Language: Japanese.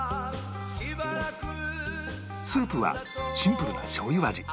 スープはシンプルなしょう油味